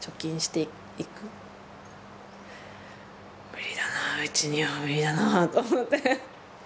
無理だなあうちには無理だなあと思って。